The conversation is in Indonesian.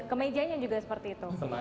kemejanya juga seperti itu